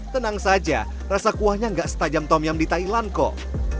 tenang saja rasa kuahnya gak setajam tom yum di thailand kok